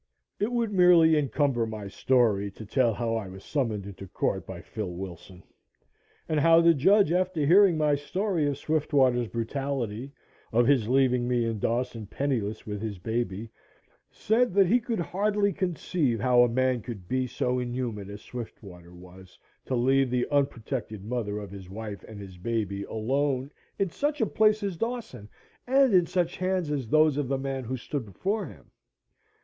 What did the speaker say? It would merely encumber my story to tell how I was summoned into court by Phil Wilson, and how the judge, after hearing my story of Swiftwater's brutality of his leaving me in Dawson penniless with his baby said that he could hardly conceive how a man could be so inhuman as Swiftwater was, to leave the unprotected mother of his wife and his baby alone in such a place as Dawson and in such hands as those of the man who stood before him.